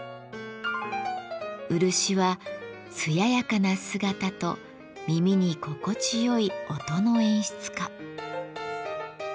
漆は艶やかな姿と耳に心地よい音の演出家。